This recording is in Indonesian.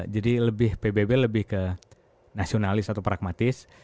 jadi pbb lebih ke nasionalis atau pragmatis